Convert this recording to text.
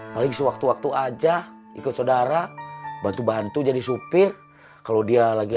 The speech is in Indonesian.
paling sewaktu waktu aja ikut saudara bantu bantu jadi supir kalau dia lagi